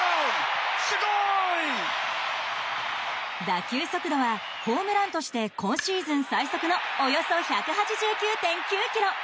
打球速度はホームランとして今シーズン最速のおよそ１８９．９キロ。